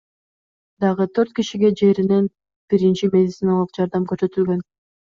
Дагы төрт кишиге жеринен биринчи медициналык жардам көрсөтүлгөн.